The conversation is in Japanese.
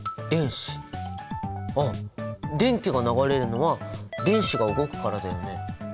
電気が流れるのは電子が動くからだよね。